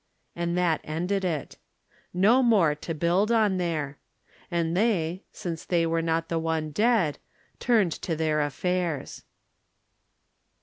and that ended it. No more to build on there. And they, since they Were not the one dead, turned to their affairs.